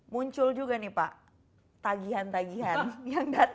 muncul juga nih pak tagihan tagihan yang datang